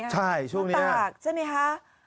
ใช่ช่วงนี้ตากใช่ไหมคะ